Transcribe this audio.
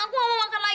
aku gak mau makan lagi